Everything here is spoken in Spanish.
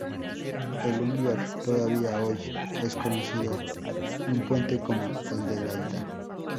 En Lumbier, todavía hoy, es conocido un puente como "el de la Ida".